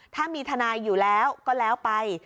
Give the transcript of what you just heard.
ถ้ามีทนายอยู่แล้วก็แล้วไป